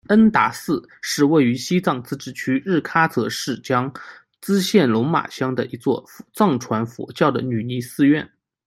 恩达寺是位于西藏自治区日喀则市江孜县龙马乡的一座藏传佛教的女尼寺院。